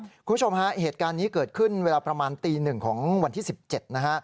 คุณผู้ชมฮะเหตุการณ์นี้เกิดขึ้นเวลาประมาณตีหนึ่งของวันที่๑๗นะฮะ